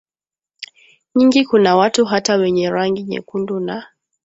nyingi kuna watu hata wenye rangi nyekundu na